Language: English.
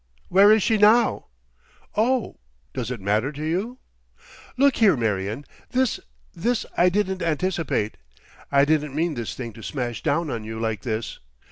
"Where is she now?" "Oh! does it matter to you?... Look here, Marion! This—this I didn't anticipate. I didn't mean this thing to smash down on you like this.